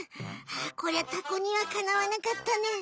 こりゃタコにはかなわなかったね。